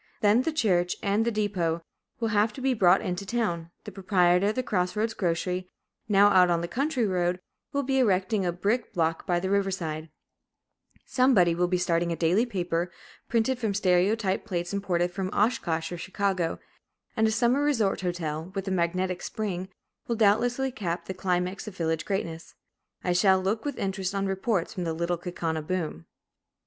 Then, the church and the depot will have to be brought into town; the proprietor of the cross roads grocery, now out on the "country road," will be erecting a brick "block" by the river side; somebody will be starting a daily paper, printed from stereotype plates imported from Oshkosh or Chicago; and a summer resort hotel with a magnetic spring, will doubtless cap the climax of village greatness. I shall look with interest on reports from the Little Kaukauna boom.